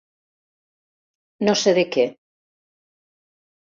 No sé de què...